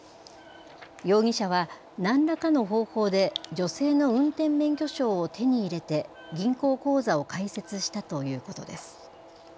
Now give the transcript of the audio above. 容疑者は何らかの方法で女性の運転免許証を手に入れて銀行口座を開設したということです。